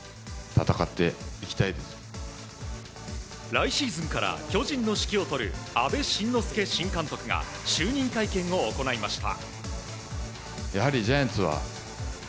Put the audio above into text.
来シーズンから巨人の指揮を執る阿部慎之助新監督が就任会見を行いました。